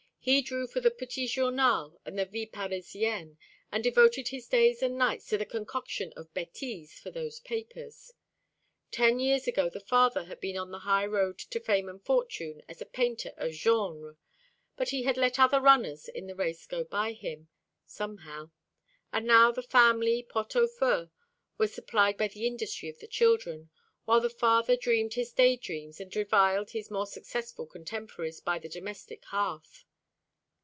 He drew for the Petit Journal and the Vie Parisienne, and devoted his days and nights to the concoction of bêtises for those papers. Ten years ago the father had been on the high road to fame and fortune as a painter of genre; but he had let other runners in the race go by him, somehow; and now the family pot au feu was supplied by the industry of the children, while the father dreamed his day dreams, and reviled his more successful contemporaries, by the domestic hearth.